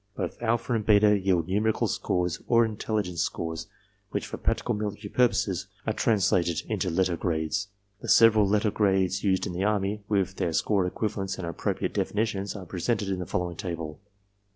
Both alpha and beta yield numerical scores or intelligence scores which for practical military purposes are translated into letter grades. The several letter grades used in the Army, with their score equivalents and appropriate definitions are pre sented in the following table.